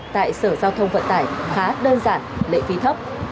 tại sở giao thông vận tải khá đơn giản lệ phí thấp